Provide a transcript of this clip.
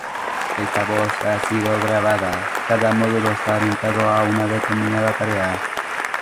Cada módulo está orientado a una determinada tarea.